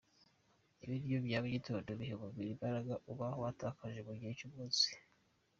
Ibiryo bya mu gitondo biha umubiri imbaraga uba watakaje mu gihe cy’umunsi.